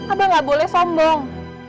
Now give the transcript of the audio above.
abah gak boleh sombong